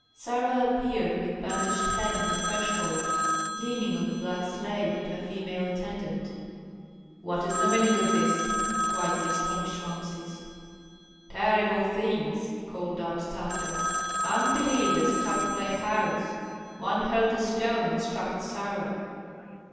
Sarah appeared, with bandaged head on the threshold, leaning on the black slave and her female attendant. "What is the meaning of this?" cried the astonished Rameses. "Terrible things!" called out Tafet. "Unbelievers attacked thy house; one hurled a stone and struck Sarah."